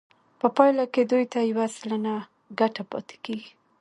په پایله کې دوی ته یو سلنه ګټه پاتې کېږي